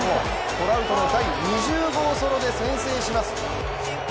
トラウトの第２０号ソロで先制します。